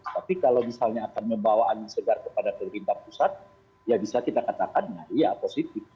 tapi kalau misalnya akan membawa angin segar kepada pemerintah pusat ya bisa kita katakan ya positif